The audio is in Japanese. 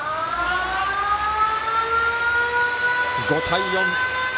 ５対４。